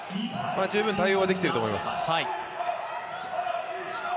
十分対応はできていると思います。